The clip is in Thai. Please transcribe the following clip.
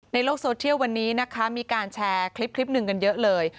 โลกโซเทียลวันนี้นะคะมีการแชร์คลิปหนึ่งกันเยอะเลย